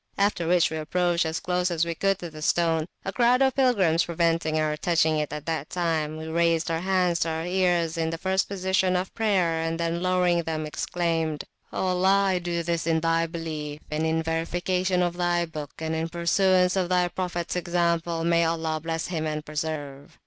After which we approached as close as we could to the stone. A crowd of pilgrims preventing our touching it that time, we raised our hands to our ears, in the first position of prayer, and then lowering them, exclaimed, O Allah (I do this), in Thy Belief, and in verification of Thy Book, and in Pursuance of Thy Prophets Examplemay Allah bless Him and preserve!